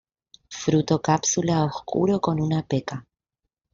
Fruto cápsula oscuro con una peca.